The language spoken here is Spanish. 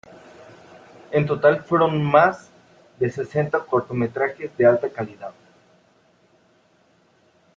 En total fueron más de sesenta cortometrajes de alta calidad.